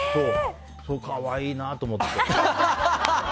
可愛いなと思って。